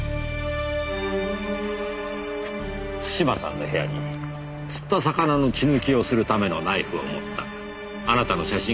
津島さんの部屋に釣った魚の血抜きをするためのナイフを持ったあなたの写真がありました。